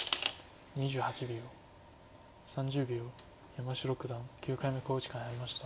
山城九段９回目の考慮時間に入りました。